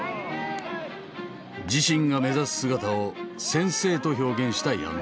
自身が目指す姿を「先生」と表現した矢野。